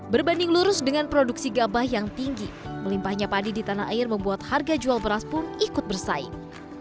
berbanding lurus dengan produksi gabah yang tinggi melimpahnya padi di tanah air membuat harga jual beras pun ikut bersaing